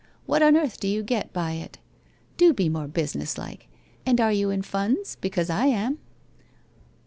'What on earth do you get by it? Do be more businesslike. And are you in funds? Because I am.'